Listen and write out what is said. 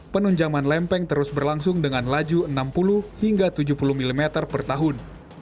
penunjangan lempeng terus berlangsung dengan laju enam puluh hingga tujuh puluh mm per tahun